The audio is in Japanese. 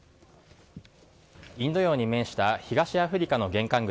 インド洋に面した東アフリカの玄関口